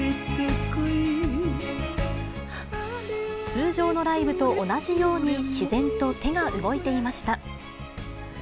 通常のライブと同じように、自然と手が動いていました。